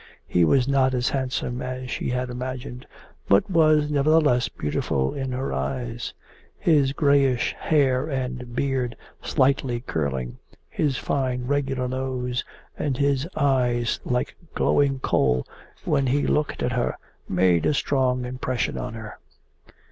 He was not as handsome as she had imagined, but was nevertheless beautiful in her eyes: his greyish hair and beard, slightly curling, his fine, regular nose, and his eyes like glowing coal when he looked at her, made a strong impression on her.